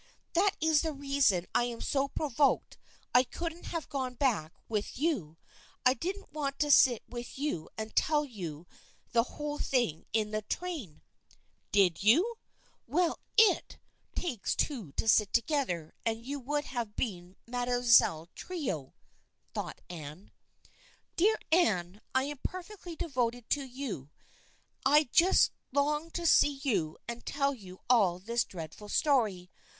" That is the reason I am so provoked I couldn't have gone back with you. I did want to sit with you and tell you the whole thing in the train." (" Did you ! Well, it 224 THE FKIENDSHIP OF ANNE takes two to sit together, and you would have been Mademoiselle Trio," thought Anne.) " Dear Anne, I am so perfectly devoted to you I just long to see you and tell you all this dreadful story.